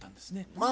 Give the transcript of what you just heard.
まあ